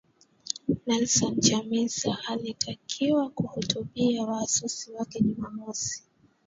Nelson Chamisa, alitakiwa kuhutubia wafuasi wake Jumamosi